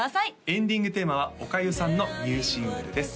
エンディングテーマはおかゆさんのニューシングルです